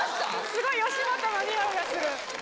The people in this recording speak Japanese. ・すごい吉本のにおいがする。